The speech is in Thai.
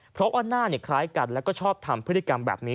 เพราะว่าหน้าคล้ายกันแล้วก็ชอบทำพฤติกรรมแบบนี้